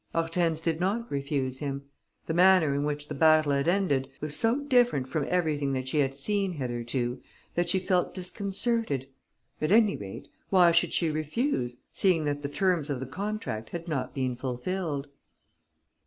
Hortense did not refuse him. The manner in which the battle had ended was so different from everything that she had seen hitherto that she felt disconcerted. At any rate, why should she refuse, seeing that the terms of the contract had not been fulfilled?